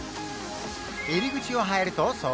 入り口を入るとそこは